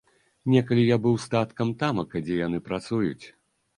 Некалі я быў з таткам тамака, дзе яны працуюць.